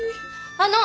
あの！